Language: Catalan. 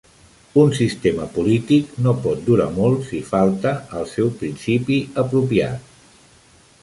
Un sistema polític no pot durar molt si falta el seu principi apropiat.